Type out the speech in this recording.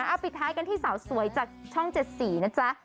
อ้าวปิดท้ายกันที่สาวสวยจากช่องเจ็ดสี่นะจ๊ะ